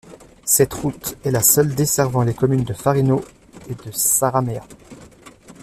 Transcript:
Cette route est la seule desservant les communes de Farino et de Sarraméa.